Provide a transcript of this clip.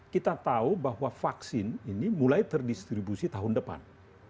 kita tahu bahwa vaksin ini mulai terdistribusi tahun depan